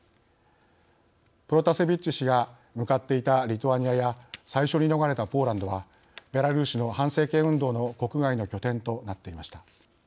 プロタセビッチ氏が向かっていたリトアニアや最初に逃れたポーランドはベラルーシの反政権運動の国外の拠点となっていました。